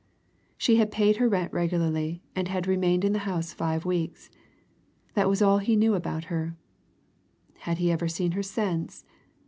She had paid her rent regularly, and had remained in the house five weeks that was all he knew about her. Had he ever seen her since?